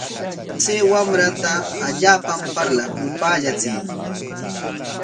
Chay wamrata allaapam parlan, upaallachiy.